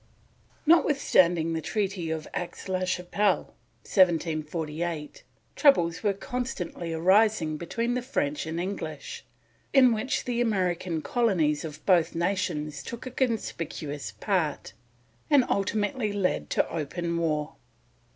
Notwithstanding the Treaty of Aix la Chapelle, 1748, troubles were constantly arising between the French and English in which the American Colonies of both nations took a conspicuous part, and ultimately led to open war.